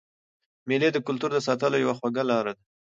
مېلې د کلتور د ساتلو یوه خوږه لار ده.